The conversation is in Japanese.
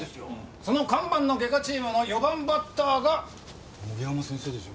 その看板の外科チームの４番バッターが森山先生でしょ。